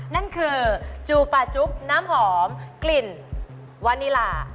นั่นคือจูปาจุ๊บน้ำหอมกลิ่นวานิลา